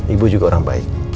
ibu juga orang baik